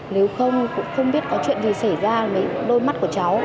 nếu không cũng không biết có chuyện gì xảy ra mấy đôi mắt của cháu